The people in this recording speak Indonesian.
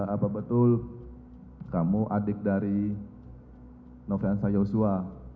apa betul kamu adik dari nofriansah yosua